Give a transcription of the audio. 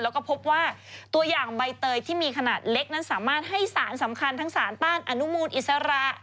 แล้วก็พบว่าตัวอย่างใบเตยที่มีขนาดเล็กนั้นสามารถให้สารสำคัญทั้งสารต้านอนุมูลอิสระ